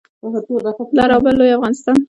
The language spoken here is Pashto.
لر او بر لوی افغانستان